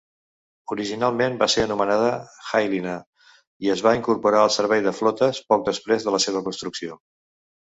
Originalment va ser anomenada "Hyalina" i es va incorporar al servei de flotes poc després de la seva construcció.